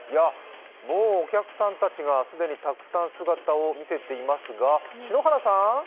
もうお客さんたちが既にたくさん姿を見せています。